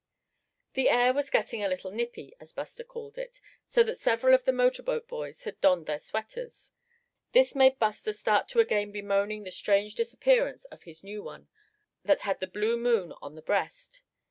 The air was getting a little "nippy," as Buster called it; so that several of the motorboat boys had donned their sweaters. This made Buster start to again bemoaning the strange disappearance of his new one, that had the blue moon on the breast.